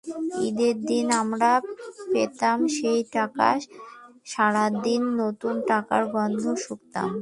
ঈদের দিন আমরা পেতাম সেই টাকা, সারা দিন নতুন টাকার গন্ধ শুঁকতাম।